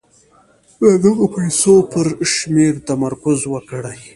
د دغو پيسو پر شمېر تمرکز وکړئ.